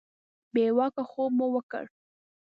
بې واکه خوب مو وکړ.